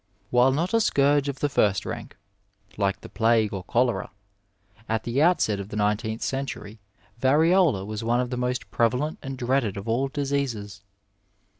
— ^While not a scourge of the first rank, like the plague or cholera, at the outset of the nineteenth cen tury variola was one of the most prevalent and dreaded of all diseases.